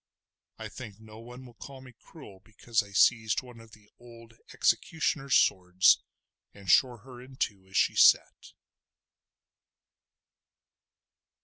I think no one will call me cruel because I seized one of the old executioner's swords and shore her in two as she sat.